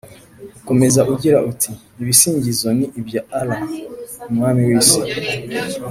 ukomeza ugira uti “ibisingizo ni ibya allah, umwami w’isi: